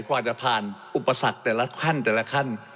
กว่าจะผ่านอุปสรรคแต่ละขั้นแต่ละขั้น